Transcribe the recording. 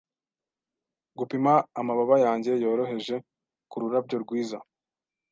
gupima amababa yanjye yoroheje kururabyo rwiza